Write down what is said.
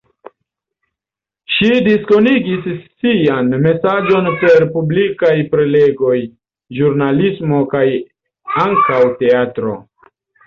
Ŝi diskonigis sian mesaĝon per publikaj prelegoj, ĵurnalismo kaj ankaŭ teatro.